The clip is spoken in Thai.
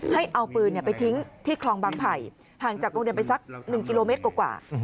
ให้เอาปืนไปทิ้งที่คลองบางไผ่ห่างจากโรงเรียนไปสัก๑กิโลเมตรกว่า